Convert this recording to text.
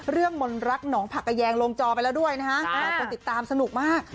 เรื่องมนรักหนองผักกะแยงลงจอไปแล้วด้วยนะฮะติดตามสนุกมาก